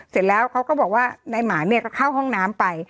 เสร็จแล้วเขาก็บอกว่านายหมาเนี่ยก็เข้าห้องน้ำไป